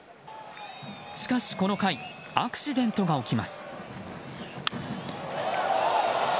しかし、この回アクシデントが起きます。